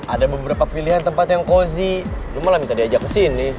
ada beberapa pilihan tempat yang kosi lu malah minta diajak ke sini